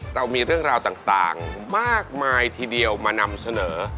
เรามีเรื่องราวต่างมากมายทีเดียวมานำเสนอ